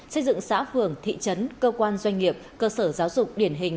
xây dựng xã phường thị trấn cơ quan doanh nghiệp cơ sở giáo dục điển hình